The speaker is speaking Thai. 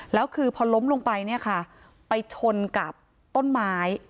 แล้วคือพอล้มลงไปเนี่ยค่ะไปชนกับต้นไม้